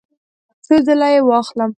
څو ځله یی واخلم؟